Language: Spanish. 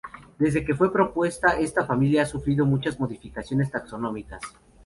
Desde que fue propuesta, esta familia ha sufrido muchas modificaciones taxonómicas.